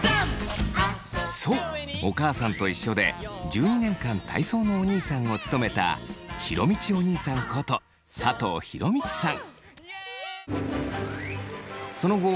そう「おかあさんといっしょ」で１２年間体操のおにいさんを務めた弘道おにいさんこと佐藤弘道さん。